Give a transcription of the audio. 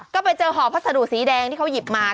ก็ไปเจอห่อพัสดุสีแดงที่เขาหยิบมา